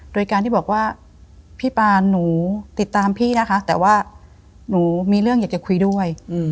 โดยการที่บอกว่าพี่ปานหนูติดตามพี่นะคะแต่ว่าหนูมีเรื่องอยากจะคุยด้วย